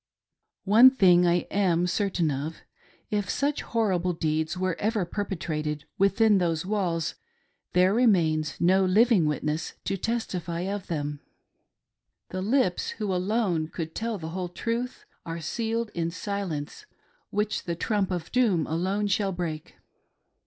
One thing I am certain of ;— if such hor rible deeds were ever perpetrated within those walls there remains no living vsritness to testify of them. The lips of who alone could tell the whole truth are sealed in silence which the trump of doom alone shall break.